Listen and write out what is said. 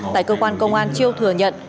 tại cơ quan công an chiêu thừa nhận